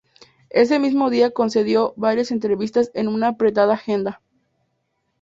Ese mismo día concedió varias entrevistas en una apretada agenda.